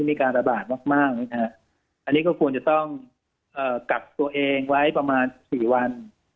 มีการระบาดมากอันนี้ก็ควรจะต้องกักตัวเองไว้ประมาณ๔วัน